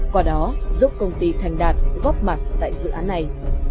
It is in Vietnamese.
qua đó giúp công ty thành đạt góp mặt tại dự án này